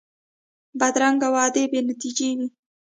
بدرنګه وعدې بې نتیجې وي